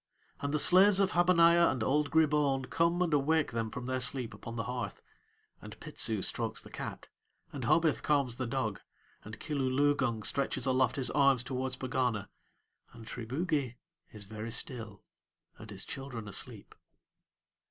And the slaves of Habaniah and old Gribaun come and awake them from their sleep upon the hearth, and Pitsu strokes the cat, and Hobith calms the dog, and Kilooloogung stretches aloft his arms towards Pegana, and Triboogie is very still, and his children asleep.